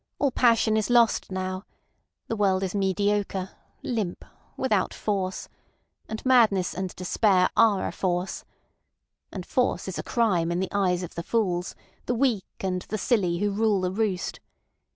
All passion is lost now. The world is mediocre, limp, without force. And madness and despair are a force. And force is a crime in the eyes of the fools, the weak and the silly who rule the roost.